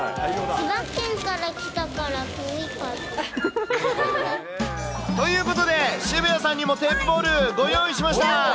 千葉県から来たから、遠いかということで、渋谷さんにもテープボールご用意しました。